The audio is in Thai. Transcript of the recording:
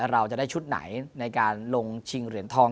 เราจะได้ชุดไหนในการลงชิงเหรียญทอง